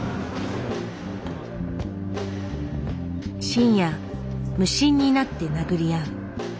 深夜無心になって殴り合う。